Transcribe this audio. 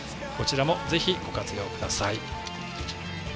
こちらもぜひご活用ください。